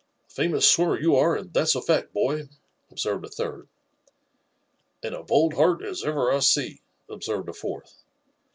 '' A famous swinuner you are, and that's a fact, boy," observed a third. " And a bold heart as ever I see," observed a fourth.